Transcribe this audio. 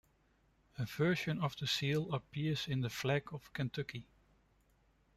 A version of the seal appears on the flag of Kentucky.